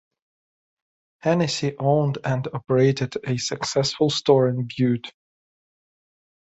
Hennessy owned and operated a successful store in Butte.